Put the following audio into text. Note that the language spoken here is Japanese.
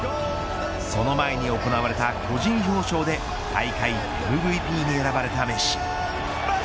その前に行われた個人表彰で大会ＭＶＰに選ばれたメッシ。